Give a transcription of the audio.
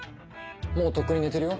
もうとっくに寝てるよ。